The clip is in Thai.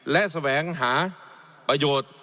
และแสวงหาประโยชน์